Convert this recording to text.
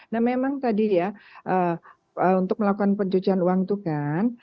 nah memang tadi ya untuk melakukan pencucian uang itu kan